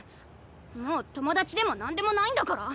もう友達でもなんでもないんだから！